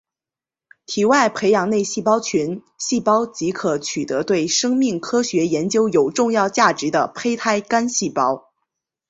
体外培养内细胞群细胞即可取得对生命科学研究有重要价值的胚胎干细胞